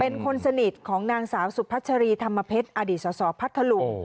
เป็นคนสนิทของนางสาวสุพัชรีธรรมเพชรอดีตสสพัทธลุง